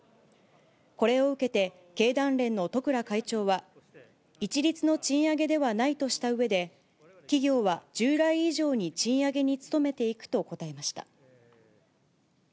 これを受けて、経団連の十倉会長は、一律の賃上げではないとしたうえで、企業は従来以上に賃上げに努めていくと応えました。